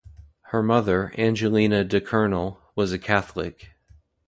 Her mother, Angelina Da Colonel, was a Catholic.